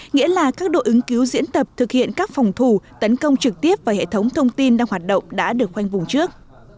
nghĩa là các đội ứng cứu diễn tập thực hiện các phòng thủ tấn công trực tiếp vào hệ thống thông tin đang hoạt động đã được khoanh vùng trước